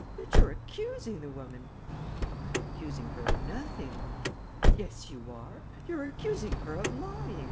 But you're accusing the woman." "I'm accusing her of nothing." "Yes, you are: you're accusing her of lying.